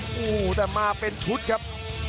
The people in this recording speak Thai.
โอ้โหแต่มาเป็นชุดครับ